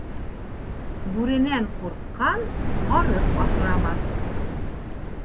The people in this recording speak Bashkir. Бүренән ҡурҡҡан һарыҡ аҫырамаҫ.